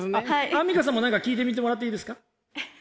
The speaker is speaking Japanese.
あんみかんさんも何か聞いてみてもらっていいですか？